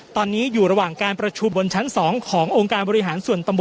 ตอนนี้อยู่ระหว่างการประชุมบนชั้น๒ขององค์การบริหารส่วนตำบล